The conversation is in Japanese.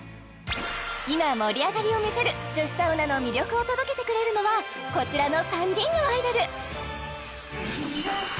今盛り上がりを見せる女子サウナの魅力を届けてくれるのはこちらの３人のアイドル